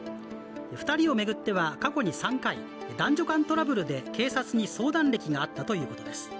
２人を巡っては過去に３回、男女間のトラブルで警察に相談歴があったということです。